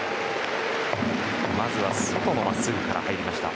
まずは外のまっすぐから入りました。